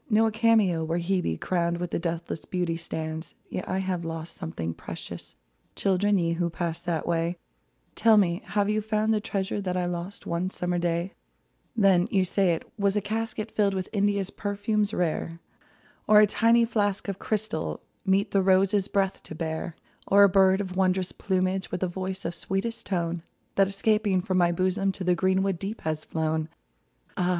Nor a cameo where Hebe, Crowned with deathless beauty, stands. Yet have I lost something precious ; Children, ye who passed that way — Tell me, have you found the treasure That I lost one summer day ? Then, you say, it was a casket Filled with India's perfumes rare. 44 WHAT I LOST Or a tiny flask of crystal Meet the rose's breath to bear ; Or a bird of wondrous plumage, With a voice of sweetest tone, That, escaping from my bosom, To the greenwood deep has flown. Ah